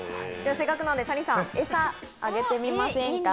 せっかくなんで、谷さん、餌あげてみませんか。